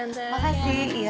tante makasih ya